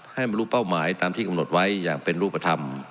บรรลุเป้าหมายตามที่กำหนดไว้อย่างเป็นรูปธรรม